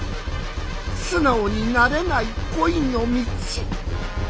素直になれない恋の道